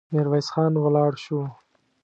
ميرويس خان ولاړ شو.